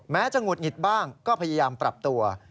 จะหงุดหงิดบ้างก็พยายามปรับตัว